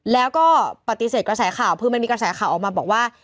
แล้วก็ปฏิเสธกระแสข่าวคือมันมีกระแสข่าวออกมาบอกว่า